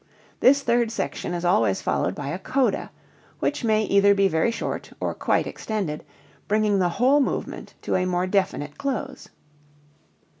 This third section is always followed by a coda (which may either be very short or quite extended), bringing the whole movement to a more definite close.